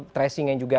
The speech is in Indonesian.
tracing yang juga